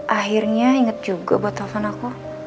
akhirnya inget juga buat telepon aku